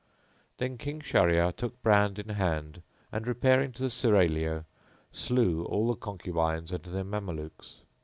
Then King Shahryar took brand in hand and repairing to the Serraglio slew all the concubines and their Mamelukes.